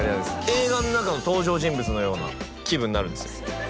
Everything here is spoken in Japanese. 映画の中の登場人物のような気分になるんですよ